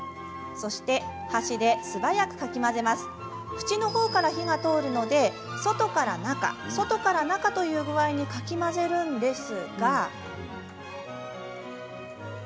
縁のほうから火が通るので外から中外から中という具合にかき混ぜるんですが。